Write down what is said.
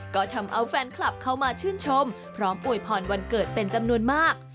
ก็ทำเอาแฟนคลับเข้ามาชื่นชมพร้อมอวยพรวันเกิดเป็นจำนวนมาก